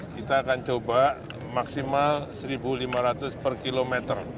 kita akan coba maksimal rp satu lima ratus per kilometer